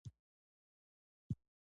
دوی په خپلو وسایلو تولید کاوه.